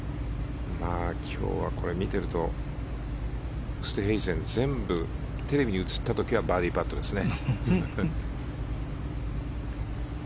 今日は、見ているとウーストヘイゼンは全部テレビに映った時はバーディーパットですね。